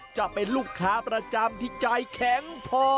จะเป็นลูกค้าประจำที่ใจแข็งพอ